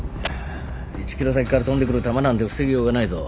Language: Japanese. １ｋｍ先から飛んでくる弾なんて防ぎようがないぞ。